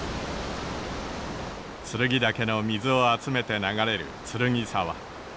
剱岳の水を集めて流れる剱沢。